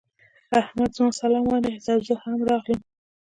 احمد زما سلام وانخيست او زه هم راغلم.